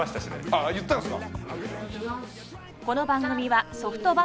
あっ言ったんすか？